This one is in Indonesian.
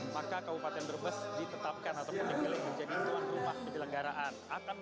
maka kabupaten berbas ditetapkan ataupun dipilih menjadi tuan rumah di negaraan